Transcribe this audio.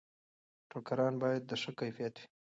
ټوکران باید د ښه کیفیت وي.